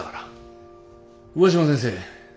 上嶋先生